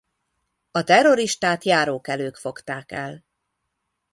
A terroristát járókelők fogták el.